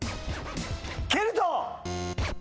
ケルト！